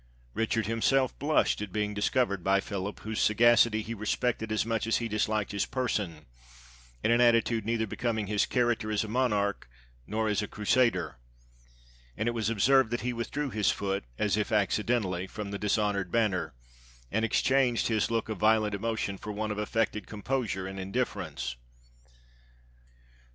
Richard himself blushed at being discovered by Philip, whose sagacity he respected as much as he disliked his person, in an attitude neither becoming his character as a monarch, nor as a Crusader; and it was observed that he withdrew his foot, as if accidentally, from the dishonored banner, and exchanged his look of violent emotion for one of affected composure and indifference.